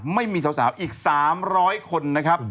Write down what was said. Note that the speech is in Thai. ไม่มีสาวอีก๓๐๐คนนะครับ